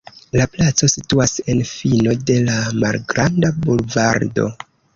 La placo situas en fino de la malgranda bulvardo.